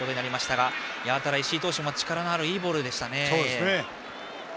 石井投手も力のあるいいボールでしたね。